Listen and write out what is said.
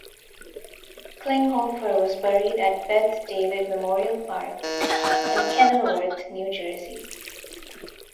Klinghoffer was buried at Beth David Memorial Park in Kenilworth, New Jersey.